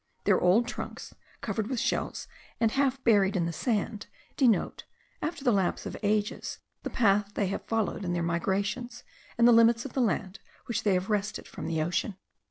Their old trunks, covered with shells, and half buried in the sand, denote, after the lapse of ages, the path they have followed in their migrations, and the limits of the land which they have wrested from the ocean.